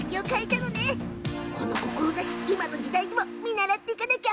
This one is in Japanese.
この志、今の時代も見習っていかなくちゃ！